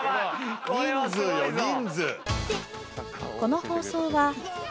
人数よ人数。